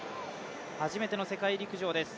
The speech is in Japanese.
初めての世界陸上です。